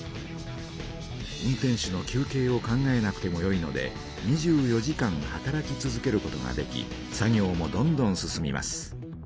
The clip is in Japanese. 運転手の休けいを考えなくてもよいので２４時間働き続けることができ作業もどんどん進みます。